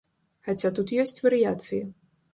Хаця тут ёсць варыяцыі.